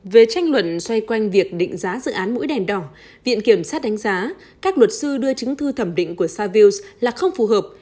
về tranh luận xoay quanh việc định giá dự án mũi đèn đỏ viện kiểm sát đánh giá các luật sư đưa chứng thư thẩm định của savils là không phù hợp